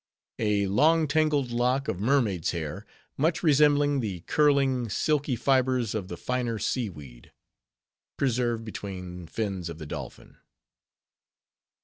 A long tangled lock of Mermaid's Hair, much resembling the curling silky fibres of the finer sea weed. (Preserved between fins of the dolphin).